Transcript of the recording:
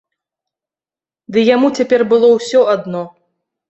Ды яму цяпер было ўсё адно.